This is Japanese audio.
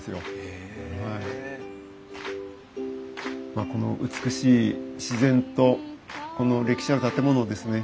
まあこの美しい自然とこの歴史ある建物をですね